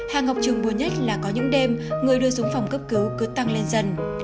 hàng học trường buồn nhất là có những đêm người đưa xuống phòng cướp cứu cứ tăng lên dần